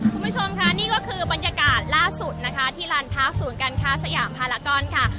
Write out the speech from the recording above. คุณผู้ชมค่ะนี่ก็คือบรรยากาศล่าสุดนะคะที่ลานพาร์ศูนย์การค้าสยามภารกรค่ะ